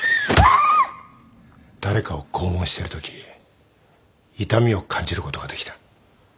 誰かを拷問してるとき痛みを感じることができた。